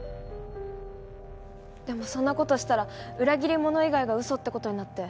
でもそんな事したら裏切り者以外が嘘って事になって。